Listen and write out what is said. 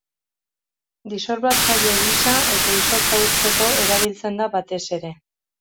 Disolbatzaile gisa eta izotza urtzeko erabiltzen da batez ere.